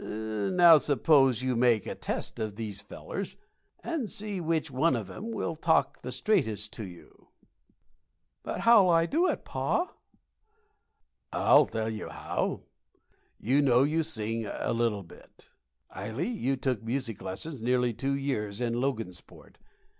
Now, suppose you make a test of these fellers, and see which one of 'em will talk the straightest to you." "But how'll I do it, pa?" "I'll tell you how. You know you sing a little bit, Ily; you took music lessons nearly two years in Logansport.